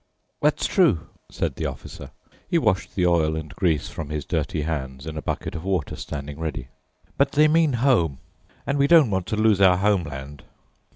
"That's true," said the Officer. He washed the oil and grease from his dirty hands in a bucket of water standing ready, "but they mean home, and we don't want to lose our homeland."